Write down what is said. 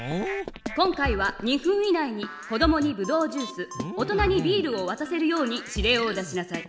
今回は２分以内に子どもにブドウジュース大人にビールをわたせるように指令を出しなさい。